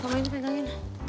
sama ini pegangin